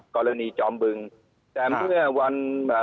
กรณีจอมบึงแต่เมื่อวันอ่า